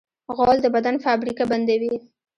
غول د بدن فابریکه بندوي.